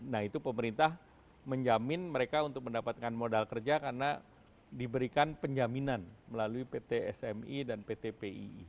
nah itu pemerintah menjamin mereka untuk mendapatkan modal kerja karena diberikan penjaminan melalui pt smi dan pt pii